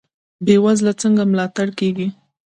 بې وزله څنګه ملاتړ کیږي؟